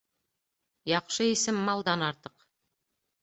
Яҡшы исем малдан артыҡ.